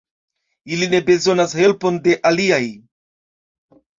Ili ne bezonas helpon de aliaj.